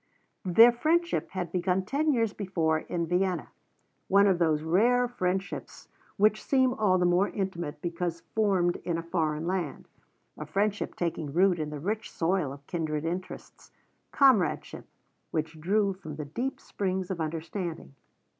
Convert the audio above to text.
Their friendship had begun ten years before in Vienna, one of those rare friendships which seem all the more intimate because formed in a foreign land; a friendship taking root in the rich soil of kindred interests, comradeship which drew from the deep springs of understanding.